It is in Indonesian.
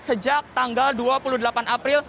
sejak tanggal dua puluh delapan april